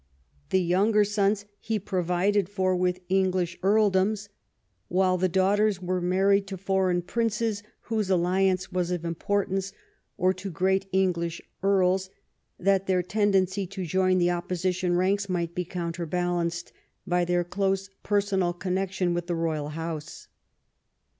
The younger sons he provided for with English earldoms, while the daughters were married to foreign princes whose alliance was of importance, or to great English earls, that their tendency to join the opposition ranks might be counterbalanced by their close personal connection with the royal house.